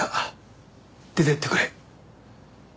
出て行ってくれ。